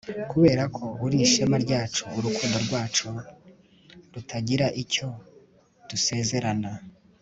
kuberako uri ishema ryacu, urukundo rwacu rutagira icyo dusezerana